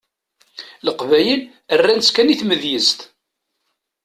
Leqbayel rran-ttkan i tmedyezt.